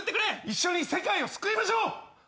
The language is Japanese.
一緒に世界を救いましょう！